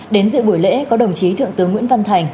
đến dự buổi lễ có đồng chí thượng tướng nguyễn văn thành